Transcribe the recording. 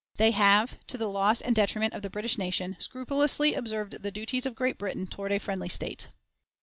They have, to the loss and detriment of the British nation, scrupulously observed the duties of Great Britain toward a friendly state."